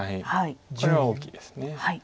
これは大きいです。